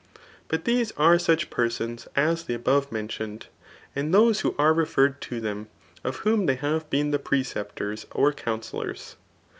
But these are such persons as the above mentioned^ and those who are referred to theAi, of whom they have been the precqitors or ciwaseUors.